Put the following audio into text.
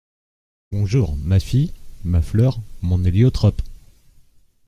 Bonjour ma fille… ma fleur, mon héliotrope !